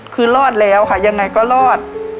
คือรอดแล้วค่ะยังไงก็รอด